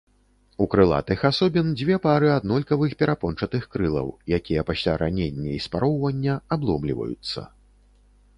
У крылатых асобін дзве пары аднолькавых перапончатых крылаў, якія пасля раення і спароўвання абломліваюцца.